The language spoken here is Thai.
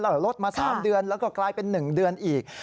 แล้วลดมา๓เดือนแล้วก็กลายเป็น๑เดือนอีก